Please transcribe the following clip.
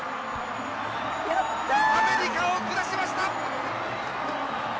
アメリカを下しました。